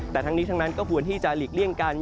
แต่ทั้งนี้ทั้งนั้นก็ควรที่จะหลีกเลี่ยงกัน